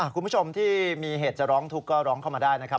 คุณผู้ชมที่มีเหตุจะร้องทุกข์ก็ร้องเข้ามาได้นะครับ